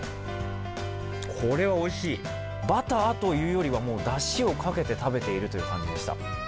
これはおいしい、バターというよりはだしをかけて食べているという感じでした。